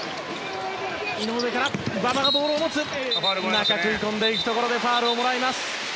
中に切り込んでいくところでファウルをもらいました。